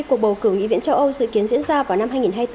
cuộc bầu cử nghị viện châu âu dự kiến diễn ra vào năm hai nghìn hai mươi bốn